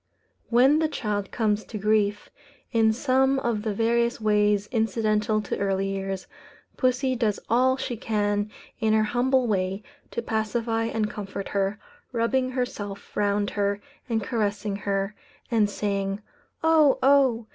When the child comes to grief, in some of the various ways incidental to early years, pussy does all she can in her humble way to pacify and comfort her, rubbing herself round her and caressing her, and saying, "Oh! oh!"